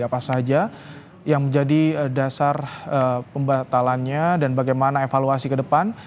apa saja yang menjadi dasar pembatalannya dan bagaimana evaluasi ke depan